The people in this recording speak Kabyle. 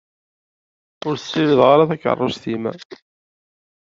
Ur ssirideɣ ara takeṛṛust-im.